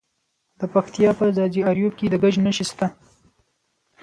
د پکتیا په ځاځي اریوب کې د ګچ نښې شته.